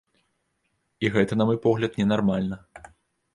І гэта, на мой погляд, ненармальна.